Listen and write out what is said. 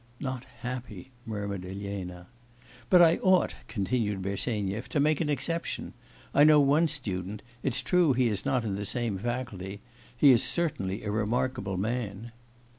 'Not happy,' murmured Elena. 'But I ought,' continued Bersenyev, 'to make an exception. I know one student it's true he is not in the same faculty he is certainly a remarkable man.